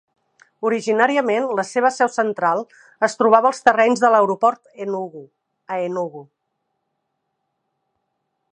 Originàriament la seva seu central es trobava als terrenys de l"Aeroport Enugu a Enugu.